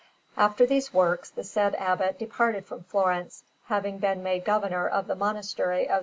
] After these works, the said Abbot departed from Florence, having been made Governor of the Monastery of S.